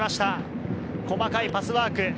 細かいパスワーク。